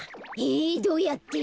えどうやって？